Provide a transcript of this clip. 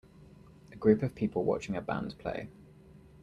A group of people watching a band play.